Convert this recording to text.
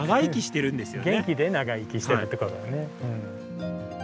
元気で長生きしてるってことだね。